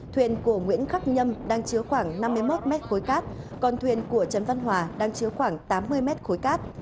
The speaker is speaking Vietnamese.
thuyền của nguyễn khắc nhâm đang chứa khoảng năm mươi một mét khối cát còn thuyền của trần văn hòa đang chứa khoảng tám mươi mét khối cát